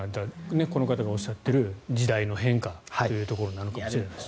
この方がおっしゃっている時代の変化というところなのかもしれないですね。